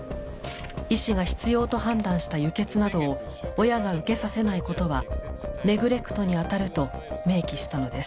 医師が必要と判断した輸血などを親が受けさせないことは「ネグレクト」にあたると明記したのです。